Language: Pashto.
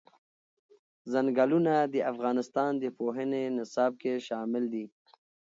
ځنګلونه د افغانستان د پوهنې نصاب کې شامل دي.